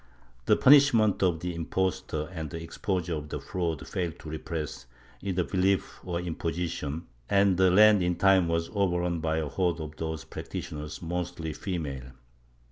The punishment of the impostor and the exposure of the fraud failed to repress either belief or imposition, and the land in time was overrun by a horde of these practitioners, mostly female.